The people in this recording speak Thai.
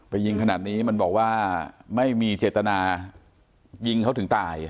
ยิงขนาดนี้มันบอกว่าไม่มีเจตนายิงเขาถึงตาย